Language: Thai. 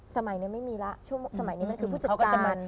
สมัยนี้ไม่มีล่ะสมัยนี้มันคือผู้จัดการ